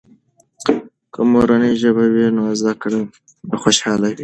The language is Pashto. که مورنۍ ژبه وي، نو زده کړه به خوشحاله وي.